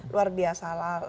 luar biasa lah